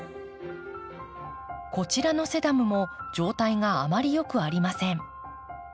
こちらのセダムも状態があまりよくありません。